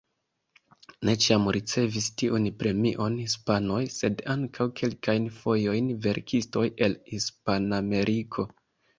Ne ĉiam ricevis tiun premion hispanoj, sed ankaŭ kelkajn fojojn verkistoj el Hispanameriko.